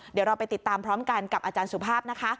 เดี๋ยวเราไปติดตามพร้อมกันกับอาจารย์สุภาพนะคะ